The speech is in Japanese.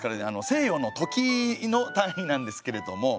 西洋の時の単位なんですけれども。